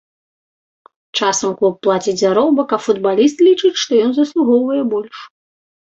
Часам клуб плаціць заробак, а футбаліст лічыць, што ён заслугоўвае больш.